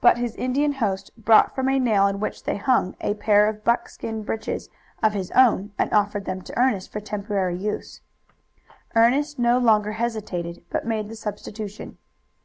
But his Indian host brought from a nail on which they hung a pair of buckskin breeches of his own and offered them to Ernest for temporary use. Ernest no longer hesitated, but made the substitution.